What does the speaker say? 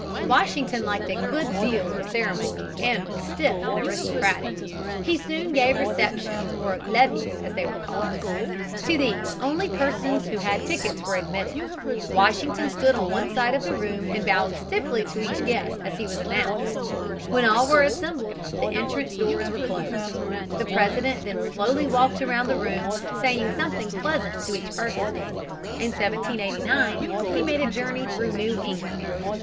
Washington liked a good deal of ceremony and was stiff and aristocratic. He soon gave receptions or "levees" as they were called. To these only persons who had tickets were admitted. Washington stood on one side of the room and bowed stiffly to each guest as he was announced. When all were assembled, the entrance doors were closed. The President then slowly walked around the room, saying something pleasant to each person. In 1789 he made a journey through New England.